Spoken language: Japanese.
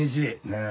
ねえ。